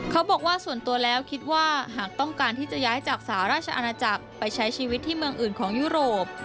เขาบอกว่าส่วนตัวแล้วคิดว่าหากต้องการที่จะย้ายจากสหราชอาณาจักรไปใช้ชีวิตที่เมืองอื่นของยุโรป